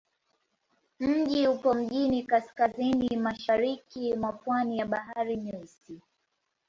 Mji upo mjini kaskazini-mashariki mwa pwani ya Bahari Nyeusi.